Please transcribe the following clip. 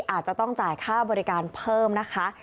อาจจะต้องจ่ายค่าบริการเพิ่มนะคะ